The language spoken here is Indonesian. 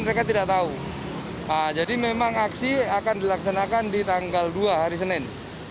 mereka tidak tahu jadi memang aksi akan dilaksanakan di tanggal dua hari senin